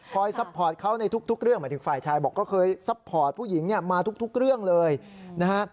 ซัพพอร์ตเขาในทุกเรื่องหมายถึงฝ่ายชายบอกก็เคยซัพพอร์ตผู้หญิงเนี่ยมาทุกเรื่องเลยนะฮะ